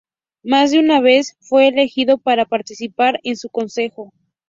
Más de una vez, fue elegido para participar en su consejo.